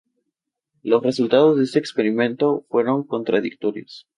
Los resultados de este experimento fueron contradictorios.